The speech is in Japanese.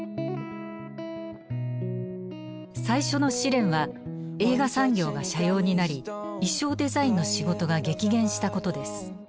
最初の試練は映画産業が斜陽になり衣装デザインの仕事が激減したことです。